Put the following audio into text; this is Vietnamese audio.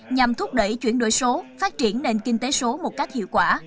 nhằm thúc đẩy chuyển đổi số phát triển nền kinh tế số một cách hiệu quả